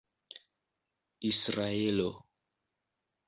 israelo